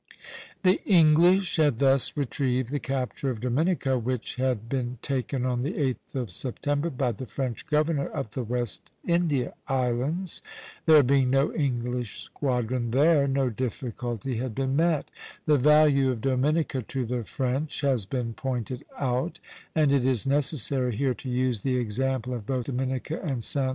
The English had thus retrieved the capture of Dominica, which had been taken on the 8th of September by the French governor of the West India Islands. There being no English squadron there, no difficulty had been met. The value of Dominica to the French has been pointed out; and it is necessary here to use the example of both Dominica and Sta.